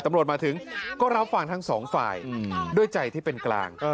ตำรวจมาถึงก็รับฝั่งทั้ง๒ฝ่ายด้วยใจที่เป็นกลาง